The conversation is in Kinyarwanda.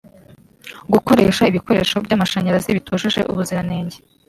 gukoresha ibikoresho by’amashanyarazi bitujuje ubuziranenge